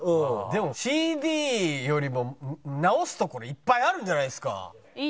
でもＣＤよりも直すところいっぱいあるんじゃないですか？